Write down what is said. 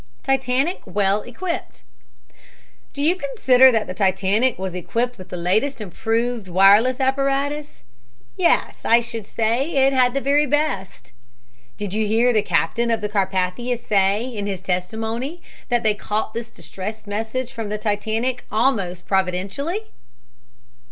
TITANIC WELL EQUIPPED "Do you consider that the Titanic was equipped with the latest improved wireless apparatus?" "Yes; I should say that it had the very best." "Did you hear the captain of the Carpathia say, in his testimony, that they caught this distress message from the Titanic almost providentally?"